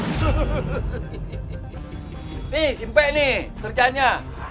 nih simpe nih kerjaannya